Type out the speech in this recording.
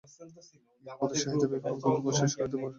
গৃহবধূ শাহিদা বেগম ঘরে বসে শাড়িতে পাথর, চুমকি, জরি বসানোর কাজ করছেন।